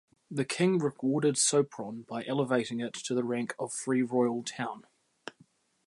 The king rewarded Sopron by elevating it to the rank of free royal town.